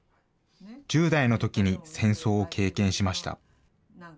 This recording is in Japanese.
１０代のときに戦争を経験しました。